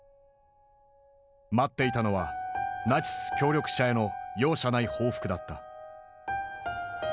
待っていたのはナチス協力者への容赦ない報復だった。